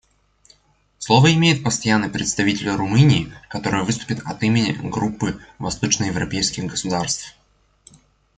Слово имеет Постоянный представитель Румынии, которая выступит от имени Группы восточноевропейских государств.